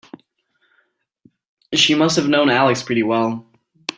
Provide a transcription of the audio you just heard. She must have known Alex pretty well.